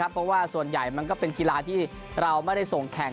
เพราะว่าส่วนใหญ่มันก็เป็นกีฬาที่เราไม่ได้ส่งแข่ง